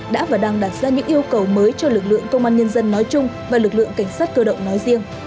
đã và đang đặt ra những yêu cầu mới cho lực lượng công an nhân dân nói chung và lực lượng cảnh sát cơ động nói riêng